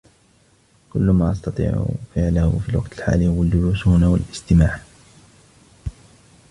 كل ما أستطيع فعله في الوقت الحالي هو الجلوس هنا والإستماع.